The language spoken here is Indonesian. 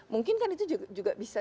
mungkin kan itu juga bisa